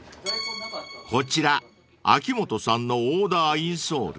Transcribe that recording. ［こちら秋元さんのオーダーインソール］